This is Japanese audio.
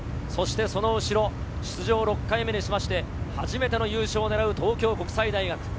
そしてその後ろ、出場６回目にしまして、初めての優勝を狙う東京国際大学。